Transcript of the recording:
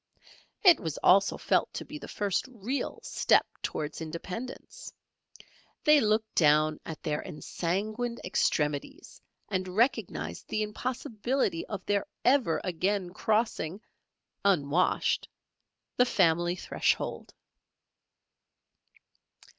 It was also felt to be the first real step towards independence; they looked down at their ensanguined extremities and recognized the impossibility of their ever again crossing (unwashed) the family threshold.